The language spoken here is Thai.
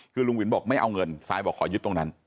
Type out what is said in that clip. คือลุงวินบอกไม่เอาเงินซายบอกขอยึดตรงนั้น